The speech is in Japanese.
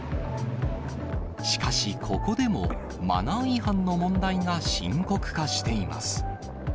しかし、ここでもマナー違反の問題が深刻化しています。